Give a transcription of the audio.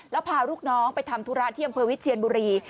แล้วพาลูกน้องไปทำธุระที่อำเภอวิเชียนบุรี